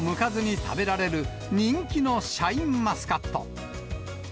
皮をむかずに食べられる人気のシャインマスカット。